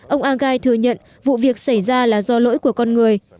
ông agay thừa nhận vụ việc xảy ra là do lỗi của con người